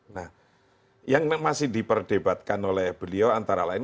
nah yang masih diperdebatkan oleh beliau antara lain